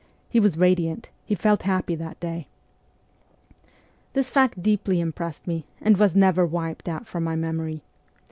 He was radiant, he felt happy that day. This fact deeply impressed me, and was never wiped out from my memory.